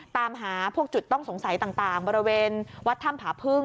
ตามหาพวกจุดต้องสงสัยต่างบริเวณวัดถ้ำผาพึ่ง